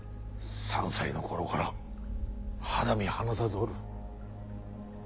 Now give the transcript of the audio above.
３歳の頃から肌身離さずおる。